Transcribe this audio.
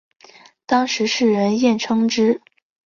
当时世人艳称之。